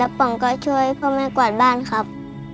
ป๋องก็ช่วยพ่อแม่กวาดบ้านครับ